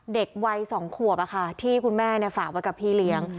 เด็กวัยสองขวบอ่ะค่ะที่คุณแม่เนี้ยฝากไว้กับพี่เลี้ยง